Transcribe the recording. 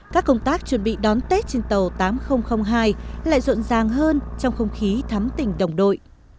các công tác chuẩn bị đón tết trên tàu tám nghìn hai lại rộn ràng hơn trong không khí thắm tình đồng đội